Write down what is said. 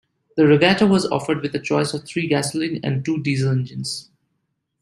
The Regata was offered with a choice of three gasoline and two diesel engines.